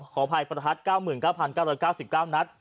ขออภัยประทัด๙๙๙๙๙๙นัด